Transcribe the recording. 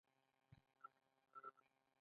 روښانفکري یې پر ناسم تعبیر ودروله.